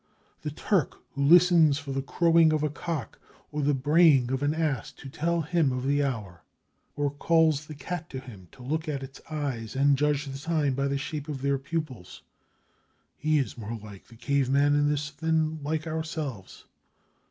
The Turk who listens for the crowing of a cock or the braying of an ass to tell him of the hour, or calls the cat to him to look at its eyes and judge the time by the shape of their pupils—he is more like the caveman in this than like ourselves.